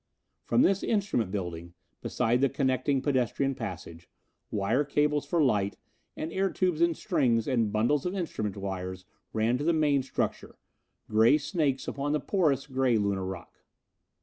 From this instrument building, beside the connecting pedestrian passage, wire cables for light, and air tubes and strings and bundles of instrument wires ran to the main structure gray snakes upon the porous, gray Lunar rock.